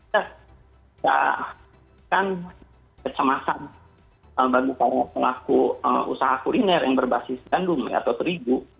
kita kan kecemasan bagi para pelaku usaha kuliner yang berbasis gandum atau terigu